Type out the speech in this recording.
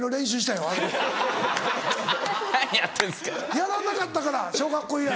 やらなかったから小学校以来。